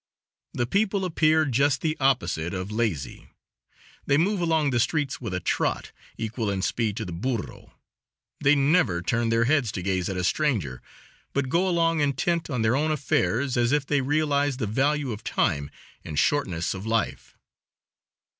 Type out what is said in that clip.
The people appear just the opposite of lazy. They move along the streets with a trot, equal in speed to the burro; they never turn their heads to gaze at a stranger, but go along intent on their own affairs as if they realized the value of time and shortness of life.